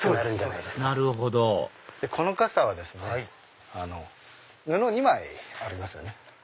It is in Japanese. なるほどこの傘は布２枚ありますよね。